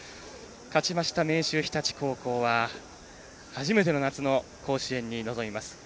勝ちました明秀日立高校は初めての夏の甲子園に臨みます。